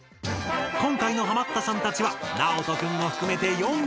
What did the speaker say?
今回のハマったさんたちはなおとくんを含めて４組。